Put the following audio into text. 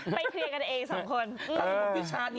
ไปเครียกันเองสองคน